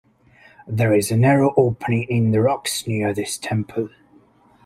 There is a narrow opening in the rocks near this temple.